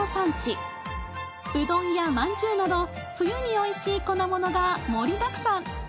うどんやまんじゅうなど冬においしい粉ものが盛りだくさん！